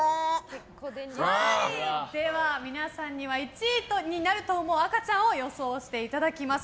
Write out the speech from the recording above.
では皆さんには１位になると思う赤ちゃんを予想していただきます。